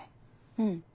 うん。